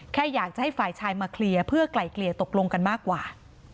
แค่อยากจะให้ฝ่ายชายมาเคลียร์เพื่อไกล่เกลี่ยตกลงกันมากกว่า